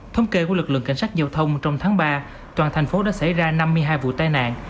thống kê của lực lượng cảnh sát giao thông trong tháng ba toàn thành phố đã xảy ra năm mươi hai vụ tai nạn